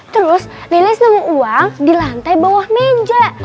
terus lilis nemu uang di lantai bawah meja